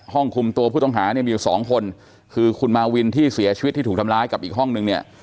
คุมตัวผู้ต้องหาเนี่ยมีอยู่สองคนคือคุณมาวินที่เสียชีวิตที่ถูกทำร้ายกับอีกห้องนึงเนี่ย